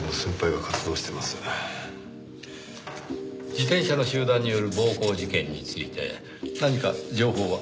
自転車の集団による暴行事件について何か情報は？